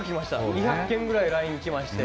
２００件くらいＬＩＮＥ来まして。